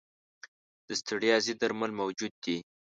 د ستړیا ضد درمل موجود دي.